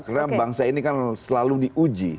karena bangsa ini kan selalu diuji